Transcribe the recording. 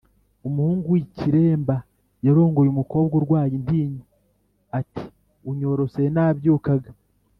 Umuhungu w’icyiremba yarongoye umukobwa urwaye intinyi ati unyorosoye nabyukaga.